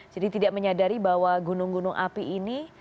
jadi tidak menyadari bahwa gunung gunung api ini